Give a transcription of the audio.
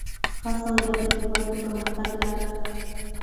ښه سواد د هیواد د پرمختګ لاره ده.